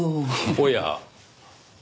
おや。